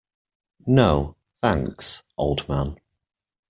No, thanks, old man.